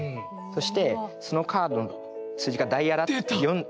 そしてそのカードの数字がダイヤの４とか。